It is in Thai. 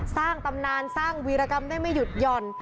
ตำนานสร้างวีรกรรมได้ไม่หยุดหย่อน